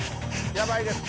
やばいです。